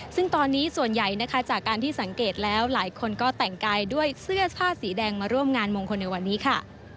ซึ่งตอนนี้ส่วนใหญ่นะคะจากการที่สังเกตแล้วหลายคนก็แต่งกายด้วยเสื้อผ้าสีแดงมาร่วมงานมงคลในวันนี้ค่ะ